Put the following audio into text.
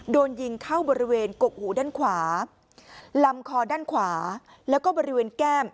โดนยิงเข้าบริเวณกกหูด้านขวาลำคอด้านขวาแล้วก็บริเวณแก้ม